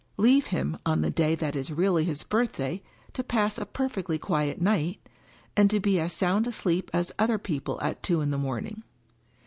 Leave him, on the day that is really his birthday, to pass a perfectly quiet night, and to be as sound asleep as other people at two in the morning.